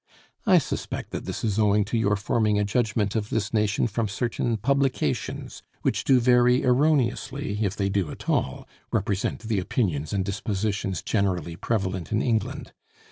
I suspect that this is owing to your forming a judgment of this nation from certain publications which do very erroneously, if they do at all, represent the opinions and dispositions generally prevalent in England.